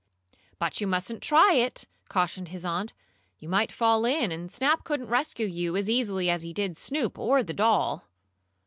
"But you mustn't try it!" cautioned his aunt. "You might fall in, and Snap couldn't rescue you as easily as he did Snoop or the doll."